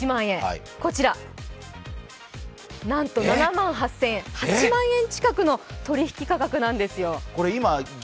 こちらなんと７万８０００円、８万円近くの取り引き価格なんですよ。